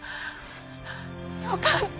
よかった。